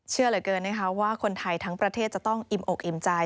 เชื่อเหลือเกินนะคะว่าคนไทยทั้งประเทศจะต้องอิ่มอกอิ่มใจ